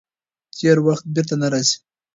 تېر وخت بېرته نه راځي.